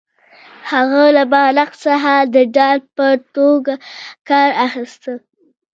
هغه له بالښت څخه د ډال په توګه کار اخیست